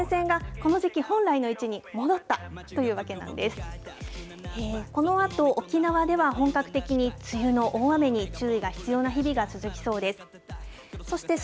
このあと沖縄では本格的に梅雨の大雨に注意が必要な日々が続きそうです。